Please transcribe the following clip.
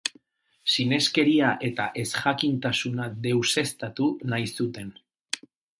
Sineskeria eta ezjakintasuna deuseztatu nahi zuten.